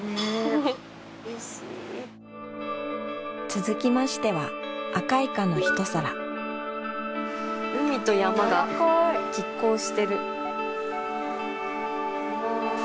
続きましては赤烏賊の一皿海と山が拮抗してる。